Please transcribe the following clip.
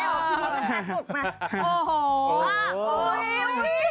คนอยากมาตรงนี้เอมม่าเว้ย